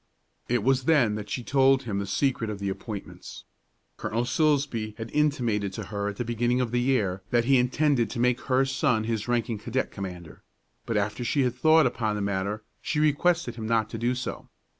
It was then that she told him the secret of the appointments. Colonel Silsbee had intimated to her at the beginning of the year that he intended to make her son his ranking cadet commander; but after she had thought upon the matter, she requested him not to do so.